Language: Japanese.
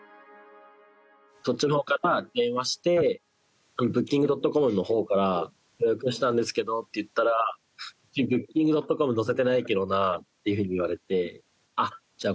そっちのほうから電話してブッキングドットコムのほうから予約したんですけどって言ったらブッキングドットコムには載せてないけどなと言われてじゃあ